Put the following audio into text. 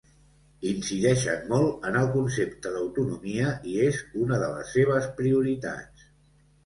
Incideixen molt en el concepte d'autonomia i és una de les seves prioritats.